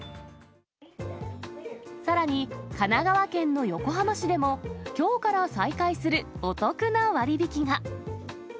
さらに、神奈川県の横浜市でも、きょうから再開するお得な割引が。